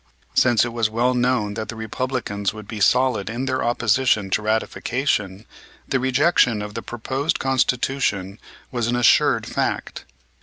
Since it was well known that the Republicans would be solid in their opposition to ratification, the rejection of the proposed Constitution was an assured fact.